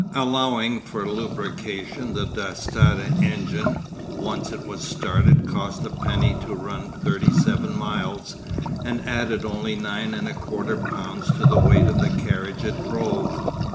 Allowing for lubrication the Dass Tata engine, once it was started cost a penny to run thirty seven miles, and added only nine and quarter pounds to the weight of the carriage it drove.